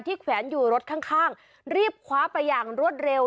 แขวนอยู่รถข้างรีบคว้าไปอย่างรวดเร็ว